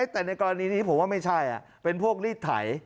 แต่ในกรณีนี้ผมว่าไม่ใช่เป็นพวกรีดไถ